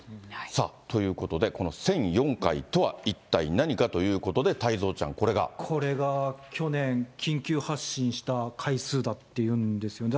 さあ、ということで、この１００４回とは一体何かということで、これが去年、緊急発進した回数だっていうんですよね。